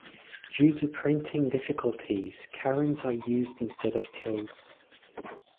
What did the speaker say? Due to printing difficulties, carons are used instead of tildes.